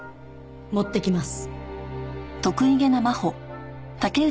持ってきます。